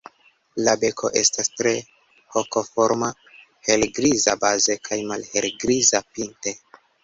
La beko estas tre hokoforma, helgriza baze kaj malhelgriza pinte.